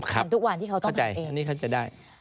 ครับเข้าใจอันนี้เขาจะได้เป็นทุกวันที่เขาต้องทำเอง